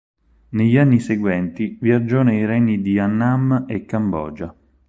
Negli anni seguenti viaggiò nei regni di Annam e Cambogia.